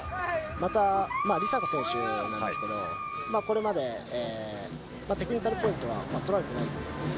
また梨紗子選手なんですけど、これまでテクニカルポイントは取られてないんですよ。